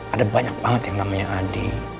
ada banyak banget yang namanya adi